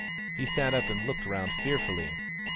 He sat up and looked round fearfully.